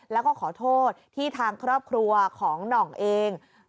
แล้วก็ขอโทษที่ทางครอบครัวของหน่องเอง